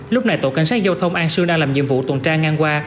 lúc này tổ cảnh sát giao thông an sương đang làm nhiệm vụ tuần tra ngang qua